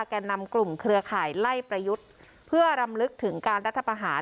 แก่นำกลุ่มเครือข่ายไล่ประยุทธ์เพื่อรำลึกถึงการรัฐประหาร